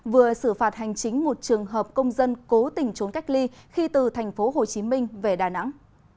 vừa xử phạt hành chính một trường hợp công dân cố tình trốn cách ly khi từ thành phố hồ chí minh về đà nẵng